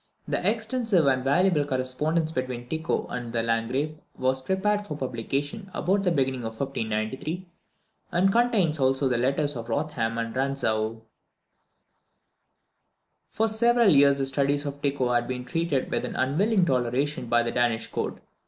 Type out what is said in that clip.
The extensive and valuable correspondence between Tycho and the Landgrave was prepared for publication about the beginning of 1593, and contains also the letters of Rothman and Rantzau. For several years the studies of Tycho had been treated with an unwilling toleration by the Danish Court.